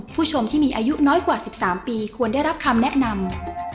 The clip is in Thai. ผู้ชมที่มีอายุน้อยกว่า๑๓ปีควรได้รับคำแนะนำ